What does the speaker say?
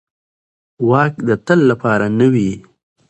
واک د تل لپاره نه وي